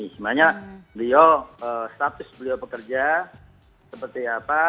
sebenarnya status beliau bekerja seperti apa